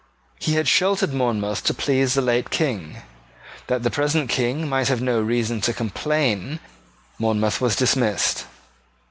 He had sheltered Monmouth to please the late King. That the present King might have no reason to complain Monmouth was dismissed.